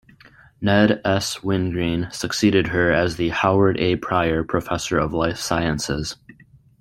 Ned S Wingreen succeeded her as the Howard A Prior Professor of Life Sciences.